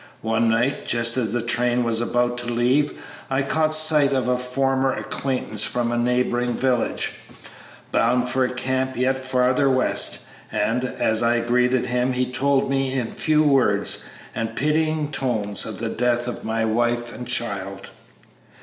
One night, just as the train was about to leave, I caught sight of a former acquaintance from a neighboring village, bound for a camp yet farther west, and, as I greeted him, he told me in few words and pitying tones of the death of my wife and child."